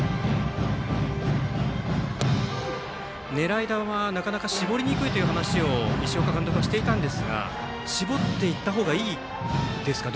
狙い球はなかなか絞りにくいという話を石岡監督はしていたんですが絞っていったほうがいいですか？